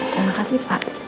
terima kasih pak